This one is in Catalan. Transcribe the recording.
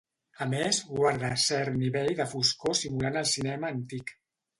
A més, guarda cert nivell de foscor simulant el cinema antic.